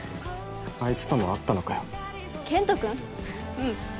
うん。